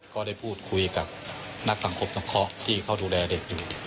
ก็ได้พูดคุยกับนักสังคมสงเคราะห์ที่เขาดูแลเด็กอยู่